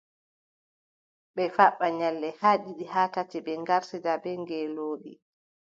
Ɓe faɓɓa nyalɗe haa ɗiɗi haa tati, ɓe ngartida bee ngeelooɗi,